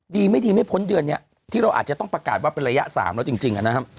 ดีไม่ดีไม่พ้นเดือนนี้ที่เราอาจจะต้องประกาศว่าเป็นระยะ๓แล้วจริงนะครับ